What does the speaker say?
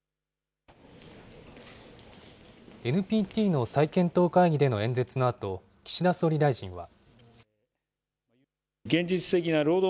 ＮＰＴの再検討会議での演説のあと、岸田総理大臣は。